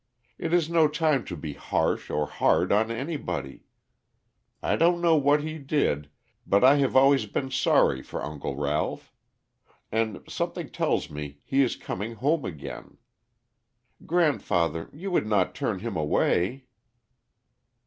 "It is no time to be harsh or hard on anybody. I don't know what he did, but I have always been sorry for Uncle Ralph. And something tells me he is coming home again. Grandfather, you would not turn him away?"